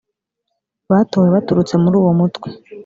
batowe baturutse muri uwo mutwe